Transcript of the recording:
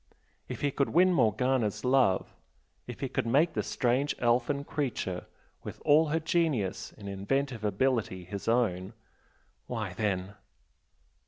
If he could win Morgana's love if he could make the strange elfin creature with all her genius and inventive ability his own, why then!